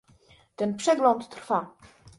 Ten przegląd trwa